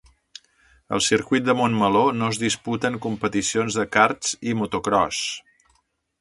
Al Circuit de Montmeló no es disputen competicions de karts i motocròs.